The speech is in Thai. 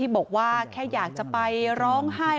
บอกว่าแค่อยากจะไปร้องไห้